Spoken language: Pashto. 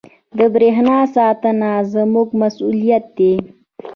• د برېښنا ساتنه زموږ مسؤلیت دی.